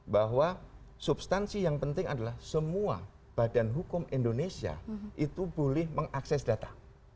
bahwa substansi yang penting adalah semua badan hukum indonesia itu boleh mengakses data